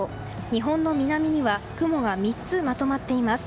日本の南には雲が３つまとまってあります。